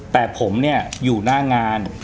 แต่ผมเนี่ยอยู่หน้างาน